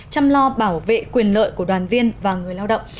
chăm lo bảo vệ quyền lợi của đoàn viên và người lao động